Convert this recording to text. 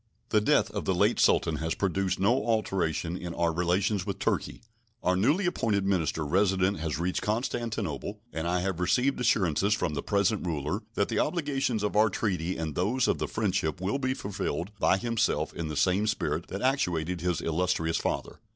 The death of the late Sultan has produced no alteration in our relations with Turkey. Our newly appointed minister resident has reached Constantinople, and I have received assurances from the present ruler that the obligations of our treaty and those of friendship will be fulfilled by himself in the same spirit that actuated his illustrious father.